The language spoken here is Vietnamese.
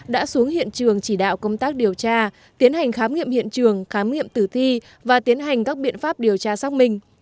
đã xuống hiện trường chỉ đạo công tác điều tra tiến hành khám nghiệm hiện trường khám nghiệm tử thi và tiến hành các biện pháp điều tra xác minh